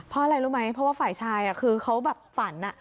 เพราะอะไรรู้ไหมเพราะว่าฝ่ายชายคือเขาแบบฝัน